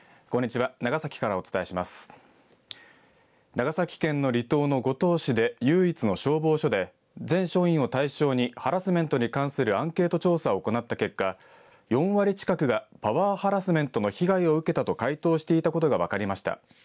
長崎県の離島の五島市で唯一の消防署で全署員を対象にハラスメントに関するアンケート調査を行った結果４割近くがパワーハラスメントの被害を受けたと回答していたことが分かりました。